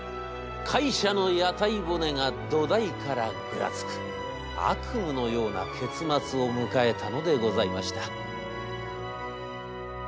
会社の屋台骨が土台からぐらつく悪夢のような結末を迎えたのでございました」。